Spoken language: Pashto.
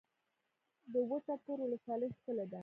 د وټه پور ولسوالۍ ښکلې ده